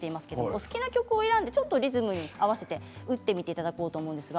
お好きな曲を選んでリズムに合わせてみていただこうと思います。